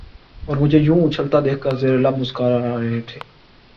اور مجھے یوں اچھلتا دیکھ کر زیرلب مسکرا رہے تھے